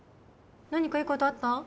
何かいいことあった？